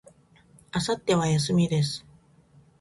明後日は、休みです。